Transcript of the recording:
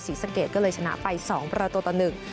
ศรีสะเกดก็เลยชนะไป๒ประตูต่อ๑